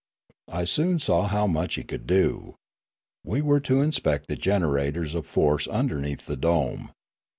I soon saw how much he could do. We were to inspect the generators of force underneath the dome.